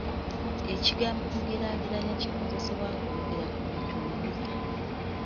Ekigambo kugeraageranya kikozesebwa nga oyogera ku bintu bibiri.